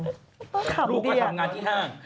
ลูกก็ทำงานที่ห้าง